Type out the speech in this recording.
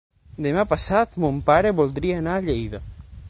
Demà passat mon pare voldria anar a Lleida.